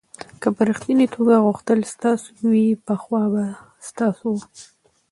که په ریښتني توګه غوښتل ستاسو وي پخوا به ستاسو و.